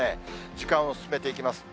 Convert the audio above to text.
時間を進めていきます。